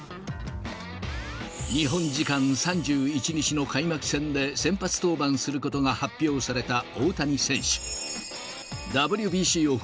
日本時間３１日の開幕戦で、先発登板することが発表された大谷選手。